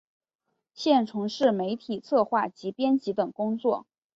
现从事媒体策划及编辑等工作。